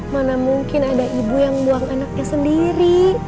mana mungkin ada ibu yang buang anaknya sendiri